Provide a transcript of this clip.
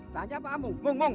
tanya pak amung